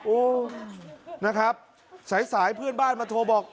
โอ้นะครับสายสายเพื่อนบ้านมาโทรบอก